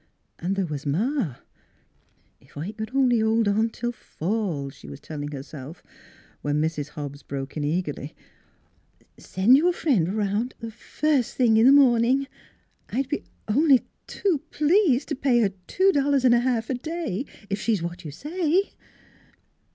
And there was Ma! 36 NEIGHBORS " Ef I c'd only hold on till fall," she was telling herself, when Mrs. Hobbs broke in eagerly: " Send your friend around the first thing in the morning. I'd be only too pleased to pay her two dollars n' a ha'f a day, if she's what you say."